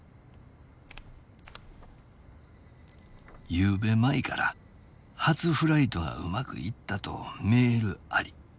「昨夜舞から初フライトがうまくいったとメールあり。